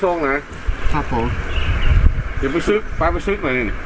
โอ้เนี่ย